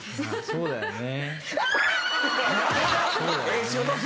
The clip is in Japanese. そうだよね。